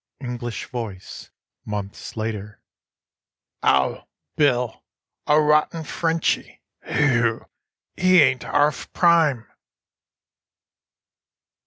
... (English voice, months later): "_OW BILL! A ROTTIN' FRENCHY. WHEW! 'E AIN'T 'ARF PRIME.